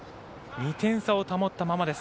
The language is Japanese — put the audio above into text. ２点差を保ったままです。